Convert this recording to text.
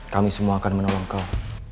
kami semua akan menolong kau